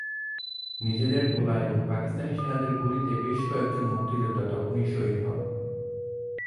নিজেদের গোলায় এবং পাকিস্তানি সেনাদের গুলিতে বেশ কয়েকজন মুক্তিযোদ্ধা তখনই শহীদ হন।